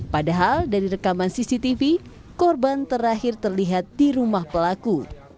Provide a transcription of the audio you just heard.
padahal dari rekaman cctv korban terakhir terlihat di rumah pelaku